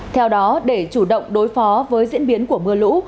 theo đó để chủ động đối phó với diễn biến của mưa lũ